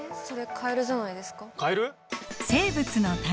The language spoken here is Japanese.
カエル？